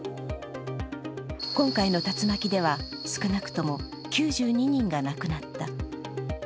今回の竜巻では、少なくとも９２人が亡くなった。